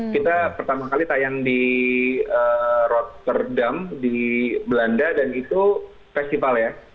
kita pertama kali tayang di rotterdam di belanda dan itu festival ya